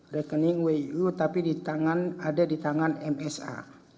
rekening wiu tapi ada di tangan msa